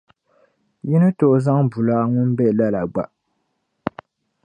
Yi ni tooi zaŋ bulaa ŋun be lala gba.